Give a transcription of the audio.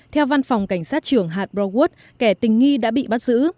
theo văn phòng cảnh sát trưởng hạt broward kẻ tình nghi đã bị bắt giữ